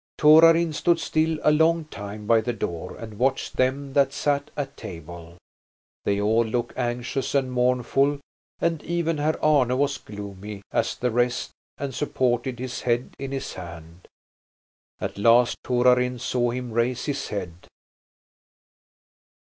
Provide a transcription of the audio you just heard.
Torarin stood still a long time by the door and watched them that sat at table. They all looked anxious and mournful, and even Herr Arne was gloomy as the rest and supported his head in his hand. At last Torarin saw him raise his head.